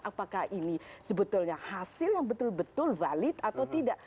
apakah ini sebetulnya hasil yang betul betul valid atau tidak